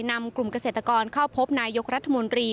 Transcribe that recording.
นำกลุ่มเกษตรกรเข้าพบนายกรัฐมนตรี